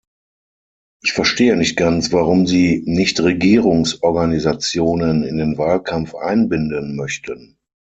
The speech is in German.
Ich verstehe nicht ganz, warum Sie Nichtregierungsorganisationen in den Wahlkampf einbinden möchten.